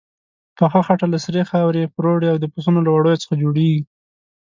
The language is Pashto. پخه خټه له سرې خاورې، پروړې او د پسونو له وړیو څخه جوړیږي.